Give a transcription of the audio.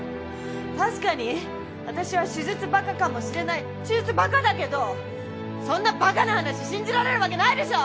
確かに私は手術バカかもしれない手術バカだけどそんなバカな話信じられるわけないでしょ！